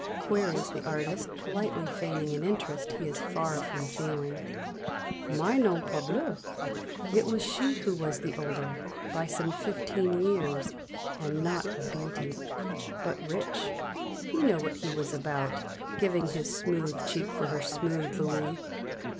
queries the artist, politely feigning an interest he is far from feeling. "Mais non, parbleu! It was she who was the older by some fifteen years; and not a beauty. But rich he knew what he was about, giving his smooth cheek for her smooth louis!"